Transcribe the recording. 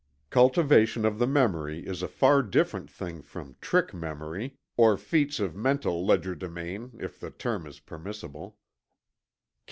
Cultivation of the memory is a far different thing from "trick memory," or feats of mental legerdemain if the term is permissible.